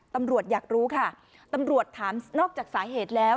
ตำรวจอยากรู้ค่ะตำรวจถามนอกจากสาเหตุแล้ว